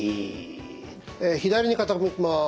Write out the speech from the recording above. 左に傾きます。